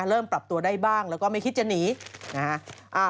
เริ่มปรับตัวได้บ้างแล้วก็ไม่คิดจะหนีนะฮะ